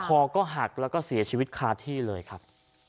คอก็หักแล้วก็เสียชีวิตคาที่เลยครับ